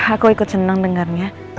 aku ikut seneng dengarnya